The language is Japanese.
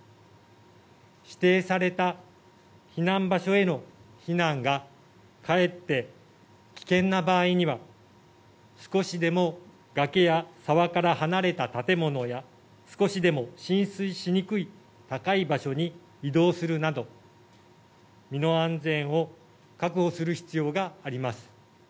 指定された避難場所への避難がかえって危険な場合には少しでも崖や沢から離れた建物や少しでも浸水しにくい高い場所に移動するなど身の安全を確保する必要があります。